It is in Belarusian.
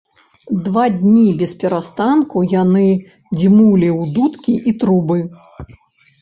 Два дні бесперастанку яны дзьмулі ў дудкі і трубы.